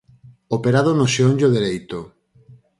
Operado no xeonllo dereito.